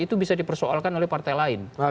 itu bisa dipersoalkan oleh partai lain